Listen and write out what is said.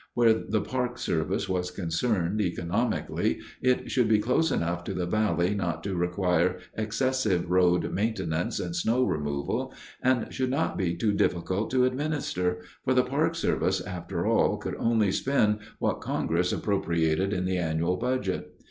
Where the Park Service was concerned, economically, it should be close enough to the valley not to require excessive road maintenance and snow removal and should not be too difficult to administer, for the Park Service, after all, could only spend what Congress appropriated in the annual budget.